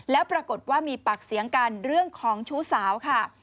แล้วปรากฏว่ามีปากเสียงกันเรื่องของชู้สาวค่ะ